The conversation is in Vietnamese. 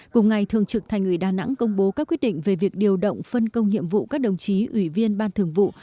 cùng ngày thường trực thành ủy đà nẵng công bố các quyết định về việc điều động phân công nhiệm vụ các đồng chí ủy viên ban thường vụ